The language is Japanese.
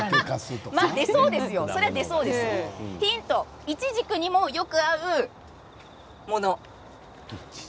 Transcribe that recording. ヒント、イチジクにもよく合うもの。